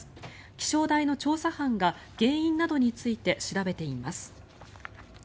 気象台の調査班が原因などについて調べています。